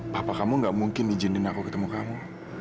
papa kamu gak mungkin izinin aku ketemu kamu